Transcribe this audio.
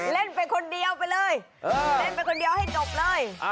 เล่นไปคนเดียวไปเลยเล่นไปคนเดียวให้จบเลย